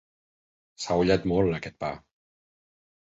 S'ha ullat molt, aquest pa.